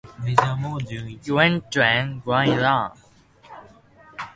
Segundo, la notocorda juega un papel estructural importante.